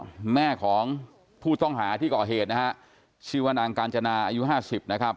แล้วก็แม่ของผู้ท่องหาที่ก่อเหตุชีวนางกาญจนาอายุ๕๐นะครับ